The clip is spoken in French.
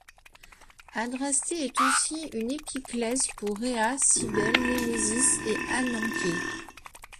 Adrastée est aussi une épiclèse pour Rhéa, Cybèle, Némésis et Ananké.